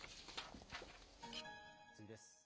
次です。